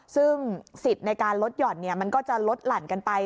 ซึ่งสิทธิ์ในการลดหย่อนมันก็จะลดหลั่นกันไป